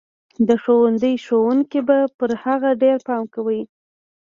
د ښوونځي ښوونکي به پر هغه ډېر پام کوي.